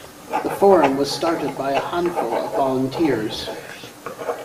The forum was started by a handful of volunteers.